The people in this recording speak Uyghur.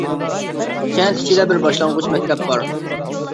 كەنت ئىچىدە بىر باشلانغۇچ مەكتەپ بار.